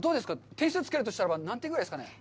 点数をつけるとしたら、何点ですかね？